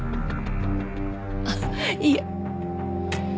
あっいえ。